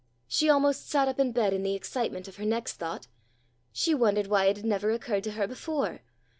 She almost sat up in bed in the excitement of her next thought. She wondered why it never had occurred to her before.